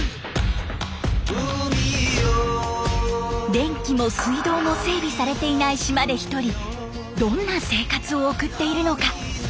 電気も水道も整備されてない島で１人どんな生活を送っているのか？